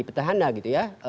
petahana gitu ya